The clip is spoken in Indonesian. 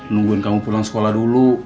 nungguin kamu pulang sekolah dulu